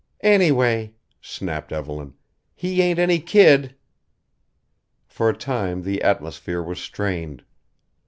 "Anyway," snapped Evelyn, "he ain't any kid!" For a time the atmosphere was strained.